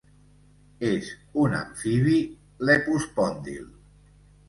És un amfibi lepospòndil.